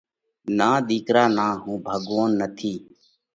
نان ۮِيڪرا نان، هُون ڀڳوونَ نٿِي۔